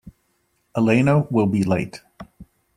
Elena will be late.